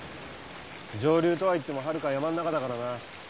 上流とは言ってもはるか山の中だからな。